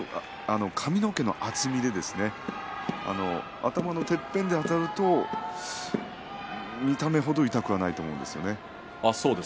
髪の毛の厚みで頭のてっぺんがあたると見た目程痛くはないと思うんですよね。